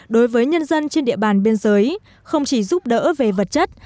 đối với nhân dân trên địa bàn biên giới không chỉ giúp đỡ về vật chất